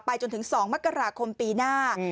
จนถึง๒มกราคมปีหน้า